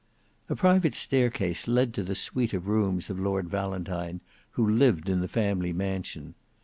A private staircase led to the suite of rooms of Lord Valentine, who lived in the family mansion.